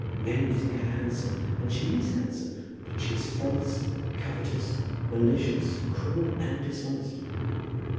"Men think her handsome, and she is handsome. But she is false, covetous, malicious, cruel, and dishonest."